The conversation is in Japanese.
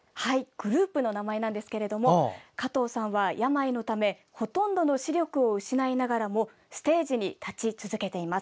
グループの名前なんですが加藤さんは、病のためほとんどの視力を失いながらもステージに立ち続けています。